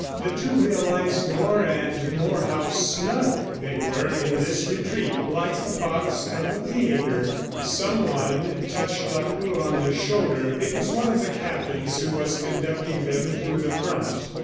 The two realized more and more how snug they were in this retreat, like a box at the theatre. Someone touched Lacour on the shoulder. It was one of the captains who was conducting them through the front.